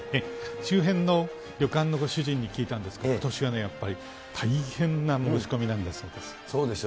周辺の旅館のご主人に聞いたんですけど、ことしはやっぱり大変な申し込みなんだそうです。